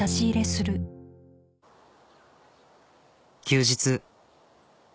休日。